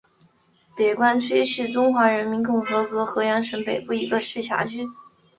北关区是中华人民共和国河南省安阳市北部一个市辖区。